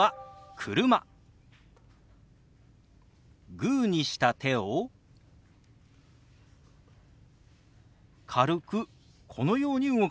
グーにした手を軽くこのように動かします。